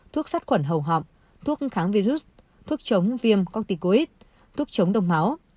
thuốc sát khuẩn hầu họng thuốc kháng virus thuốc chống viêm corticoid thuốc chống đồng máu